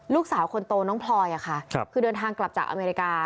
ลูกสาวคนโตน้องพลอยคือเดินทางกลับจากอเมริกา